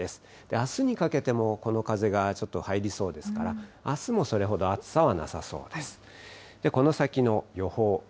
あすにかけてもこの風がちょっと入りそうですから、あすもそれほど暑さはなさそうです。